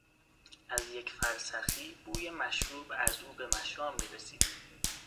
از یک فرسخی بوی مشروب از او به مشام میرسید.